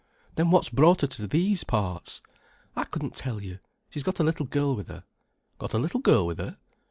"Then what's brought her to these parts?" "I couldn't tell you. She's got a little girl with her." "Got a little girl with her?"